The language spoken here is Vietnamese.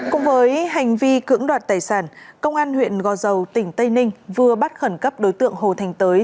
cùng với hành vi cưỡng đoạt tài sản công an huyện gò dầu tỉnh tây ninh vừa bắt khẩn cấp đối tượng hồ thành tới